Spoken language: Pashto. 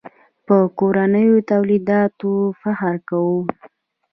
په کورنیو تولیداتو فخر کوو.